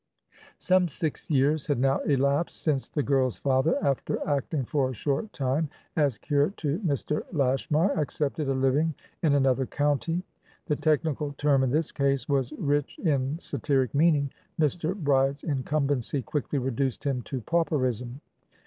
Some six years had now elapsed since the girl's father, after acting for a short time as curate to Mr. Lashmar, accepted a living in another county. The technical term, in this case, was rich in satiric meaning; Mr. Bride's incumbency quickly reduced him to pauperism.